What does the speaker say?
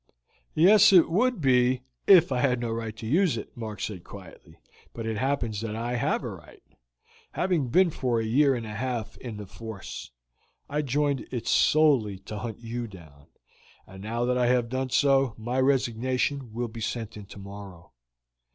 "Yes, it would be if I had no right to use it," Mark said quietly; "but it happens that I have a right, having been for a year and a half in the force. I joined it solely to hunt you down, and now that I have done so my resignation will be sent in tomorrow."